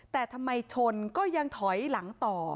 แต่ทำไมชนก็ยังถอยหลังต่อ